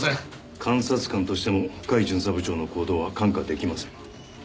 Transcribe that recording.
監察官としても甲斐巡査部長の行動は看過出来ません。